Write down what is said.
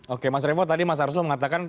oke mas revo tadi mas arsul mengatakan